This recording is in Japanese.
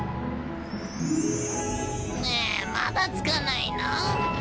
ねえまだ着かないの？